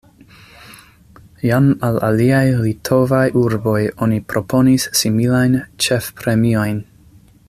Jam al aliaj litovaj urboj oni proponis similajn ĉefpremiojn.